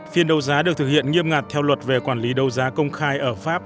phiên đấu giá được thực hiện nghiêm ngặt theo luật về quản lý đấu giá công khai ở pháp